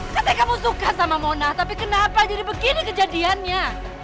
katanya kamu suka sama mona tapi kenapa jadi begini kejadiannya